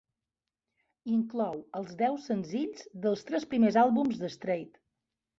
Inclou els deu senzills dels tres primers àlbums de Strait.